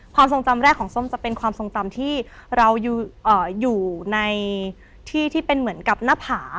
ความทรงจำแรกของส้มจะเป็นความทรงจำที่เราอยู่ในที่ที่เป็นเหมือนกับหน้าผา